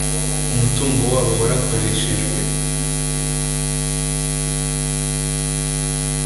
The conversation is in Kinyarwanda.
umutungo wabo warakoreshejwe